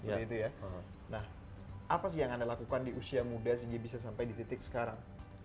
nah apa sih yang anda lakukan di usia muda sehingga bisa sampai di titik sekarang